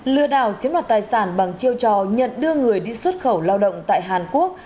lừa đảo chiếm đoạt tài sản bằng chiêu trò nhận đưa người đi xuất khẩu lao động tại hàn quốc